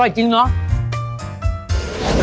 อร่อยจริงเนาะ